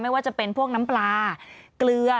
ว่าจะเป็นพวกน้ำปลาเกลือ